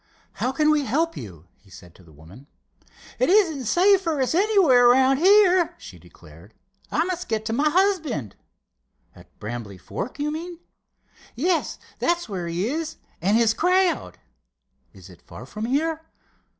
"How can we help you?" he said to the woman. "It isn't safe for us anywhere around here," she declared. "I must get to my husband." "At Brambly Fork, you mean?" "Yes, that's where he is, and his crowd." "Is it far from here?"